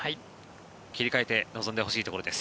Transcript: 切り替えて臨んでほしいところです。